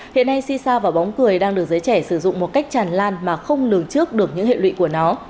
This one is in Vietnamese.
hiện nay si sao và bóng cười đang được giới trẻ sử dụng một cách tràn lan mà không lường trước được những hệ lụy của nó